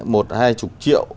một hai chục triệu